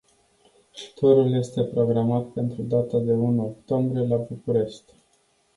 Turul este programat pentru data de unu octombrie, la București.